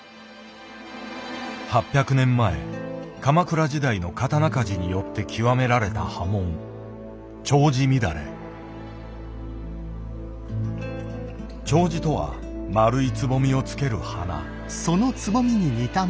８００年前鎌倉時代の刀鍛冶によって極められた刃文丁子とは丸いつぼみをつける花。